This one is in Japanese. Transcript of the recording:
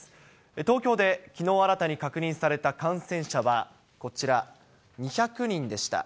東京できのう新たに確認された感染者はこちら、２００人でした。